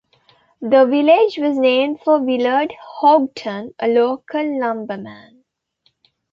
The village was named for Willard Houghton, a local lumberman.